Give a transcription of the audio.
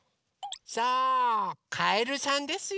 そうかえるさんですよ！